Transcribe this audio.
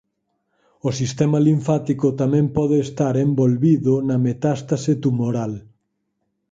O sistema linfático tamén pode estar envolvido na metástase tumoral.